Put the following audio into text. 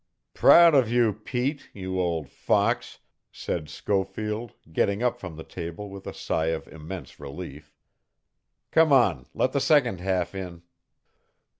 "Proud of you, Pete, you old fox," said Schofield, getting up from the table with a sigh of immense relief. "Come on; let the second half in."